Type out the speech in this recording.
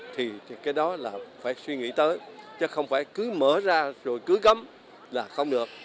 thì cái đó là phải suy nghĩ tới chứ không phải cứ mở ra rồi cứ cấm là không được